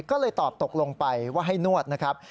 ก็เลยตอบตกลงไปว่าให้นวดนะครับ